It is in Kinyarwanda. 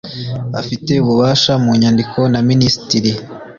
afite ububasha mu nyandiko na minisitiri .